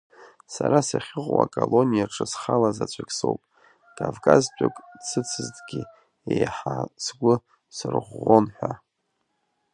Сара сахьыҟоу акалониаҿы схала заҵәык соуп, Кавказтәык дсыцызҭгьы еиҳа сгәы сырӷәӷәон ҳәа.